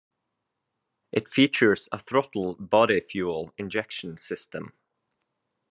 It features a throttle body fuel injection system.